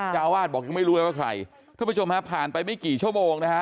เจ้าอาวาสบอกยังไม่รู้เลยว่าใครท่านผู้ชมฮะผ่านไปไม่กี่ชั่วโมงนะฮะ